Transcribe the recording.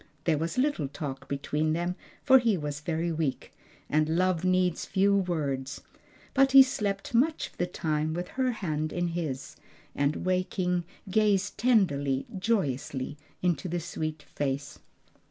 There was little talk between them, for he was very weak, and love needs few words; but he slept much of the time with her hand in his, and waking gazed tenderly, joyously into the sweet face.